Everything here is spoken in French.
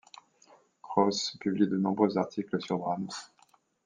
Kraus publie de nombreux articles sur Brahms.